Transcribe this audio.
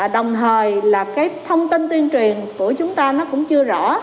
đồng thời là cái thông tin tuyên truyền của chúng ta nó cũng chưa rõ